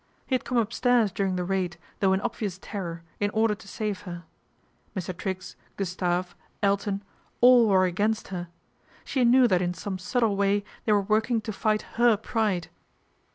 He had come upstairs during the raid, though in obvious terror, in order to save her. Mr. Triggs, Gustave, Elton, all were against her. She knew that in some subtle way they were working to fight her pride.